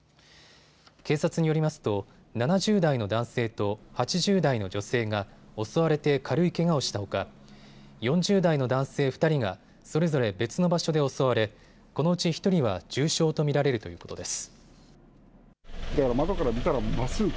警察によりますと７０代の男性と８０代の女性が襲われて軽いけがをしたほか４０代の男性２人がそれぞれ別の場所で襲われこのうち１人は重傷と見られるということです。